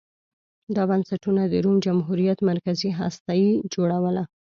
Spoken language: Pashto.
دا بنسټونه د روم جمهوریت مرکزي هسته یې جوړوله